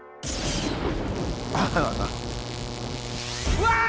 うわ！